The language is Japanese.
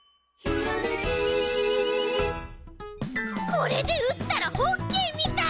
これでうったらホッケーみたい。